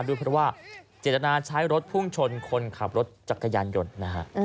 ด้วยเพราะว่าเจตนาใช้รถพุ่งชนคนขับรถจักรยานยนต์นะฮะ